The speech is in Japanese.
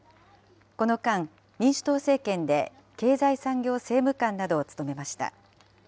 この間、民主党政権で経済産業政務官などを務めました。